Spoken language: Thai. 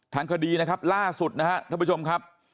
ทางคดีนะครับล่าสุดนะครับท่านผู้ชมครับ